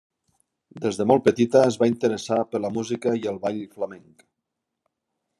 Des de molt petita es va interessar per la música i el ball flamenc.